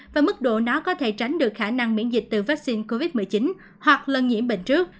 và mức độ nó có thể tránh được khả năng miễn dịch từ vaccine covid một mươi chín hoặc lây nhiễm bệnh trước